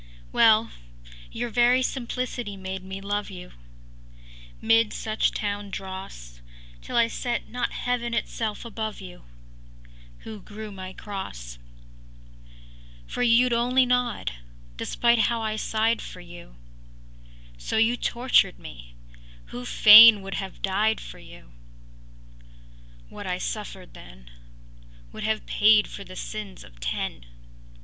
“Well; your very simplicity made me love you Mid such town dross, Till I set not Heaven itself above you, Who grew my Cross; For you’d only nod, despite how I sighed for you; So you tortured me, who fain would have died for you! —What I suffered then Would have paid for the sins of ten!